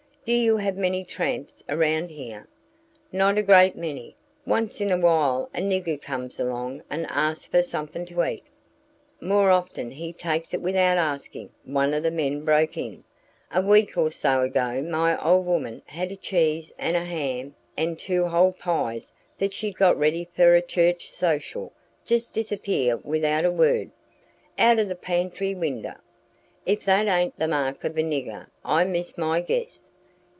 "Do you have many tramps around here?" "Not a great many. Once in a while a nigger comes along and asks for something to eat." "More often he takes it without asking," one of the men broke in. "A week or so ago my ole woman had a cheese an' a ham an' two whole pies that she'd got ready for a church social just disappear without a word, out o' the pantry winder. If that ain't the mark of a nigger, I miss my guess."